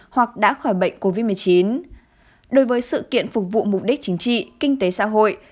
hoặc đã khỏi bệnh covid một mươi chín đối với sự kiện phục vụ mục đích chính trị kinh tế xã hội